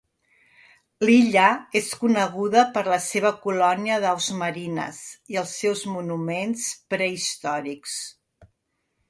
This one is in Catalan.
L'illa és coneguda per la seva colònia d'aus marines i els seus monuments prehistòrics.